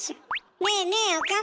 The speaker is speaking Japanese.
ねえねえ岡村！